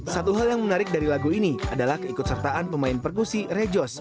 satu hal yang menarik dari lagu ini adalah keikut sertaan pemain perkusi rejos